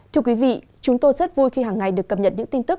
thưa quý vị chúng tôi rất vui khi hàng ngày được cập nhật những tin tức